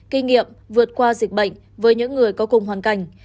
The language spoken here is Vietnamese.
kinh nghiệm vượt qua dịch bệnh với những người có cùng hoàn cảnh